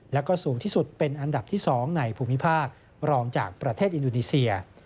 แล้วก็สูงที่สุดเป็นอันดับที่๒ในภูมิภาครองจากประเทศอินโดนีเซีย